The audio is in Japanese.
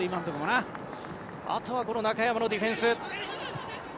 あとは中山のディフェンス。